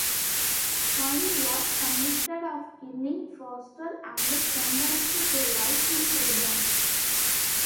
Acoli was convicted of killing Foerster and sentenced to life in prison.